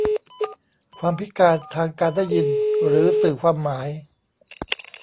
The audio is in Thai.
ความพิการทางการได้ยินหรือสื่อความหมาย